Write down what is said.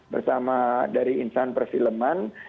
bersama dari insan perseleman